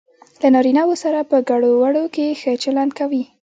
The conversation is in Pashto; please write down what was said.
له نارینه وو سره په ګړو وړو کې ښه چلند کوي.